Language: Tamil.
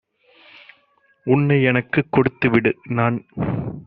"உன்னை எனக்குக் கொடுத்துவிடு! - நான்